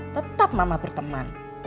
tetap mama berteman